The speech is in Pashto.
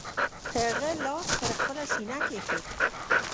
هغه لاس پر خپله سینه کېښود.